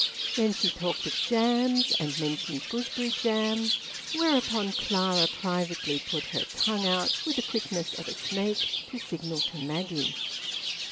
Then she talked of jams, and mentioned gooseberry jam, whereupon Clara privately put her tongue out, with the quickness of a snake, to signal to Maggie.